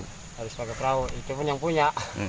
harus pakai perahu itu pun yang punya